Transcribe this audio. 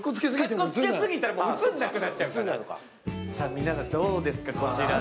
皆さん、どうですか、こちらの。